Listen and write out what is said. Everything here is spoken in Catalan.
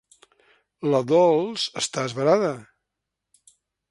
La Dols està esverada.